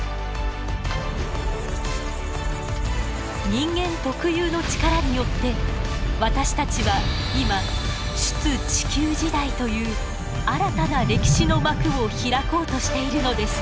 人間特有の力によって私たちは今出・地球時代という新たな歴史の幕を開こうとしているのです。